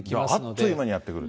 あっという間にやって来る。